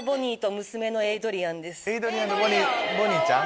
エイドリアンとボニーちゃん。